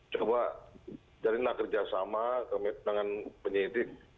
coba cari nak kerjasama dengan penyidik